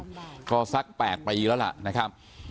เพราะไม่เคยถามลูกสาวนะว่าไปทำธุรกิจแบบไหนอะไรยังไง